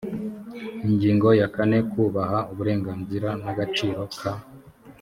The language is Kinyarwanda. ingingo ya kane kubaha uburenganzira n agaciro ka